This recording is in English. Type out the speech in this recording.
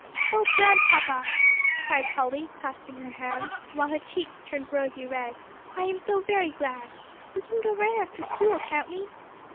"Oh, Grandpapa!" cried Polly, clasping her hands, while her cheeks turned rosy red, "I am so very glad. We can go right after school, can't we?"